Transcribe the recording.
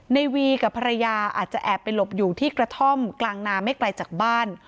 ในวีกับภรรยาอาจจะแอบไปหลบอยู่ที่กระท่อมกลางนาไม่ไกลจากบ้าน